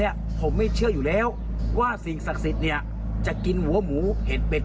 ไม่อยากให้แม่เป็นอะไรไปแล้วนอนร้องไห้แท่ทุกคืน